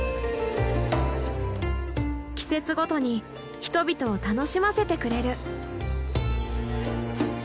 季節ごとに人々を楽しませてくれる。